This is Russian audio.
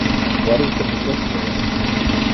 Варенька покраснела.